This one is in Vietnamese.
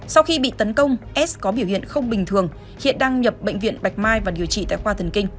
sau khi bị tấn công s có biểu hiện không bình thường hiện đang nhập bệnh viện bạch mai và điều trị tại khoa thần kinh